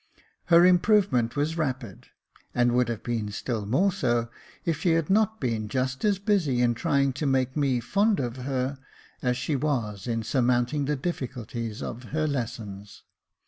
Her improvement was rapid, and would have been still more so if she had not been just as busy in trying to make me fond of her as she was in surmounting the difficulties of her lessons.